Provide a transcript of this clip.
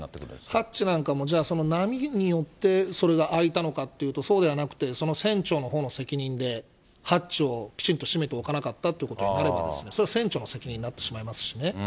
ハッチなんかもじゃあ、波によってそれが開いたのかっていうとそうではなくて、船長のほうの責任で、ハッチをきちんと閉めておかなかったということになれば、それは船長の責任になってしまいますしね。